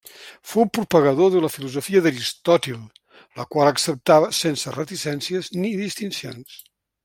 Fou propagador de la filosofia d'Aristòtil, la qual acceptava sense reticències ni distincions.